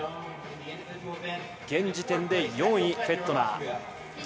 現時点で４位のフェットナー。